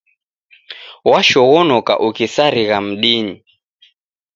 Washoghonoka ukisarigha mdinyi